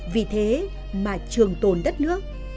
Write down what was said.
vì thế mà trường tồn đất nước